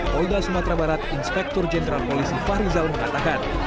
polda sumatera barat inspektur jenderal polisi fahrizal mengatakan